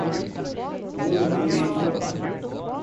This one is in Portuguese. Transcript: Urucurituba